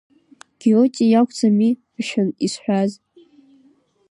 Гиоте иакәӡами, мшәан изҳәаз…